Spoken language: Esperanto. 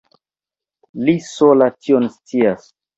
Li sola tion scias.